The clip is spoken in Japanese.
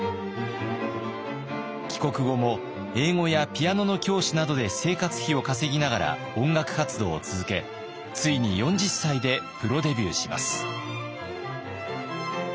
帰国後も英語やピアノの教師などで生活費を稼ぎながら音楽活動を続けついに４０歳でプロデビューします。